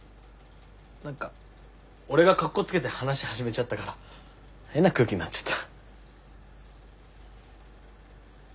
何か俺がかっこつけて話始めちゃったから変な空気になっちゃった。